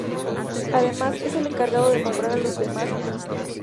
Además, es el encargado de nombrar a los demás ministros.